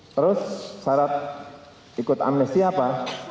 terus syarat ikut amnesti apa